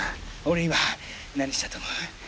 俺今何したと思う？